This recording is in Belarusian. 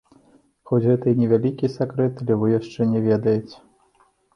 Хоць гэта і не вялікі сакрэт, але вы яшчэ не ведаеце.